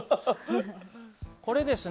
これですね